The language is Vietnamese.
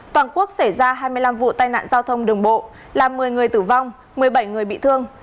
toàn quốc xảy ra hai mươi năm vụ tai nạn giao thông đường bộ làm một mươi người tử vong một mươi bảy người bị thương